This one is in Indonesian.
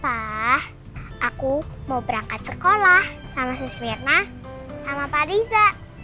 pa aku mau berangkat sekolah sama susmira sama pak riza